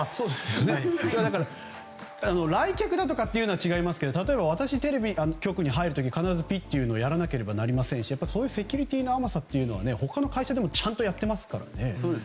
来客だとかは違いますけど例えば、私たちがテレビ局に入る時は必ずピッてやらなければなりませんしそういうセキュリティーの甘さというのはね。他の会社でもちゃんとやってますからね。